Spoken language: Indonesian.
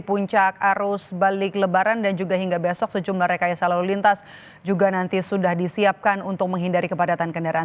puncak arus balik lebaran dan juga hingga besok sejumlah rekayasa lalu lintas juga nanti sudah disiapkan untuk menghindari kepadatan kendaraan